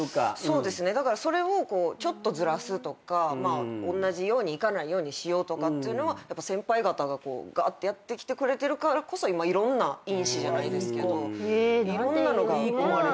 そうですねそれをちょっとずらすとかおんなじようにいかないようにしようとか先輩方がガーってやってきてくれてるからこそ今いろんな因子じゃないですけどいろんなのが。